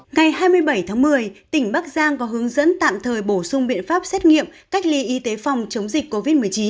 ngày hai mươi bảy tháng một mươi tỉnh bắc giang có hướng dẫn tạm thời bổ sung biện pháp xét nghiệm cách ly y tế phòng chống dịch covid một mươi chín